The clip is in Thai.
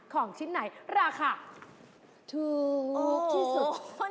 ของชิ้นไหนราคาถูกที่สุด